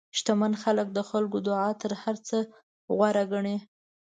شتمن خلک د خلکو دعا تر هر څه غوره ګڼي.